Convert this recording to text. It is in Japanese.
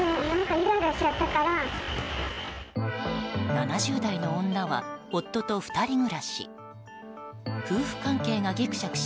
７０代の女は夫と２人暮らし。